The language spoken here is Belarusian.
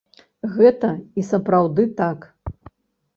Гэта і сапраўды так.